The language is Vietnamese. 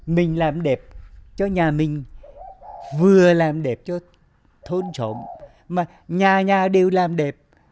mình làm đẹp cho nhà mình vừa làm đẹp cho thôn trộm mà nhà nhà đều làm đẹp